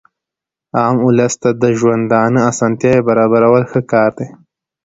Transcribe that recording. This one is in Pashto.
عام اولس ته د ژوندانه اسانتیاوي برابرول ښه کار دئ.